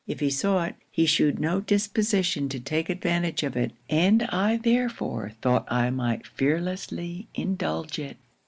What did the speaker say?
If he saw it, he shewed no disposition to take advantage of it, and I therefore thought I might fearlessly indulge it.